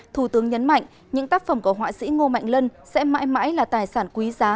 thủ tướng nhấn mạnh những tác phẩm của họa sĩ ngô mạnh lân sẽ mãi mãi là tài sản quý giá